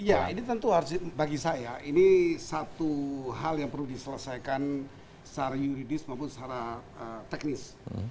ya ini tentu harus bagi saya ini satu hal yang perlu diselesaikan secara yuridis maupun secara teknis